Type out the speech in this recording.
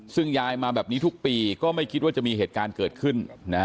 ซึ่งยายมาแบบนี้ทุกปีก็ไม่คิดว่าจะมีเหตุการณ์เกิดขึ้น